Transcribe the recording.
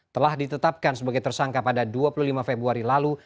telah ditetapkan sebagai tersangka pada dua puluh lima februari lalu